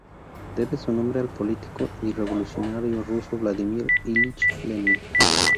Debe su nombre al político y revolucionario ruso Vladímir Ilich Lenin.